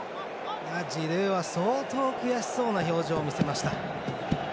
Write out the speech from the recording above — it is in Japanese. ジルーは相当悔しそうな表情を見せました。